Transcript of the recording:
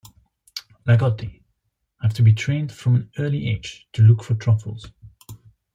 Lagotti have to be trained from an early age to look for truffles.